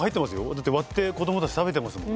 だって割って子どもたち食べてますもん。